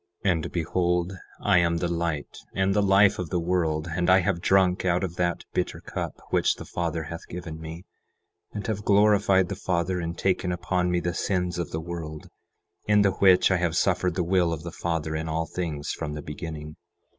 11:11 And behold, I am the light and the life of the world; and I have drunk out of that bitter cup which the Father hath given me, and have glorified the Father in taking upon me the sins of the world, in the which I have suffered the will of the Father in all things from the beginning.